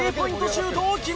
シュートを決めた。